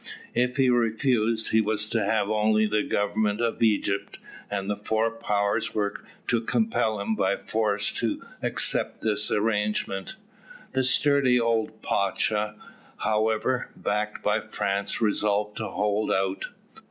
If he refused, he was to have only the government of Egypt, and the four powers were to compel him by force to accept this arrangement. The sturdy old pacha, however, backed by France, resolved to hold out.